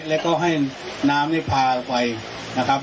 แล้วก็ให้น้ำนี่พาไปนะครับ